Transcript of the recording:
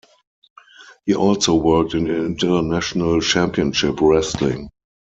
He also worked in International Championship Wrestling.